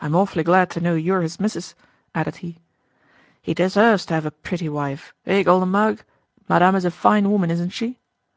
"I'm awfully glad to know you're his missus," added he. "He deserves to have a pretty wife. Eh, Golden Mug, madame is a fine woman, isn't she?"